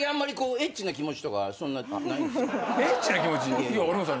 エッチな気持ち？